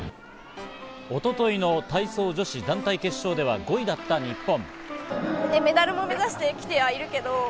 一昨日の体操・女子団体決勝では５位だった日本。